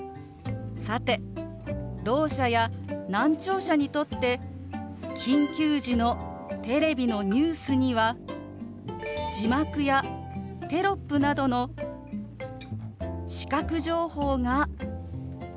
さてろう者や難聴者にとって緊急時のテレビのニュースには字幕やテロップなどの視覚情報が必要不可欠です。